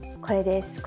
これです。